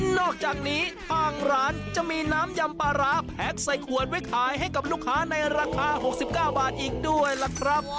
นอกจากนี้ทางร้านจะมีน้ำยำปลาร้าแพ็คใส่ขวดไว้ขายให้กับลูกค้าในราคา๖๙บาทอีกด้วยล่ะครับ